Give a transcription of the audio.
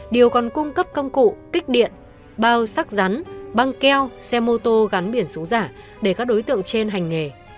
điều còn cung cấp công cụ kích điện bao sắc rắn băng keo xe mô tô gắn biển số giả để các đối tượng trên hành nghề